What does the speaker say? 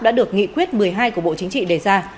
đã được nghị quyết một mươi hai của bộ chính trị đề ra